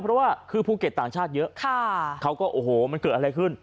เพราะว่าคือภูเก็ตต่างชาติเยอะเขาก็โอ้โหมันเกิดอะไรขึ้น